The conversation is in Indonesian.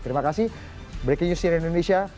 terima kasih breaking news cnn indonesia